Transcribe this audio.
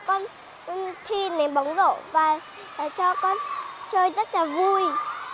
con thi nến bóng rổ và cho con chơi rất là vui